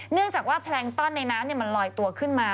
เนื่องจากว่าแพลงต้อนในน้ำมันลอยตัวขึ้นมา